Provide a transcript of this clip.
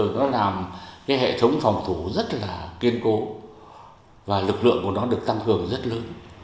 nó làm hệ thống phòng thủ rất kiên cố và lực lượng của nó được tăng cường rất lớn